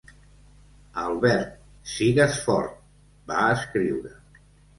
Albert, sigues fort, va escriure.